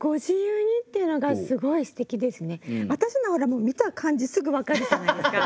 私のはほらもう見た感じすぐ分かるじゃないですか。